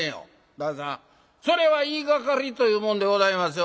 旦さんそれは言いがかりというもんでございますよ。